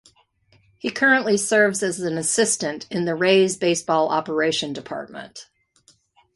He currently serves as an assistant in the Rays baseball operation department.